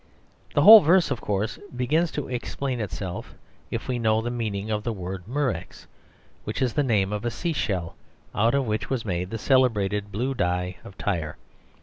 The whole verse of course begins to explain itself, if we know the meaning of the word "murex," which is the name of a sea shell, out of which was made the celebrated blue dye of Tyre.